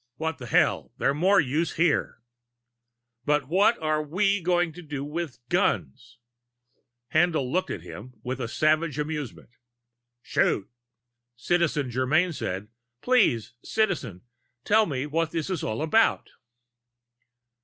What the hell, they're more use here!" "But what are we going to do with guns?" Haendl looked at him with savage amusement. "Shoot." Citizen Germyn said: "Please, Citizen. Tell me what this is all about."